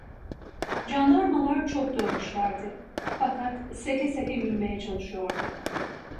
Candarmalar çok dövmüşlerdi, fakat seke seke yürümeye çalışıyordu.